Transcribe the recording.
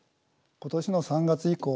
今年の３月以降